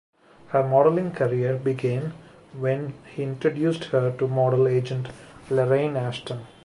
Her modelling career began when he introduced her to model agent Laraine Ashton.